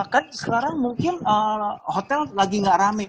kan sekarang mungkin hotel lagi nggak rame